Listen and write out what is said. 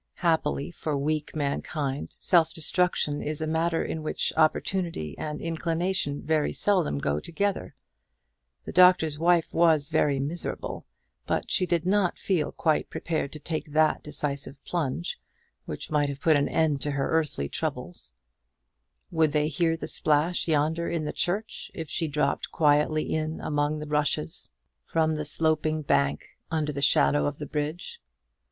Happily for weak mankind, self destruction is a matter in which opportunity and inclination very seldom go together. The Doctor's Wife was very miserable; but she did not feel quite prepared to take that decisive plunge which might have put an end to her earthly troubles, Would they hear the splash yonder in the church, if she dropped quietly in among the rushes from the sloping bank under the shadow of the bridge?